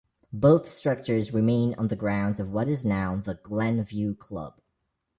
Both structures remain on the grounds of what is now the Glen View Club.